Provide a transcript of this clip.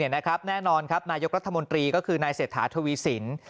แน่นอนครับนายกรัฐมนตรีก็คือนายเศรษฐาทวีสิน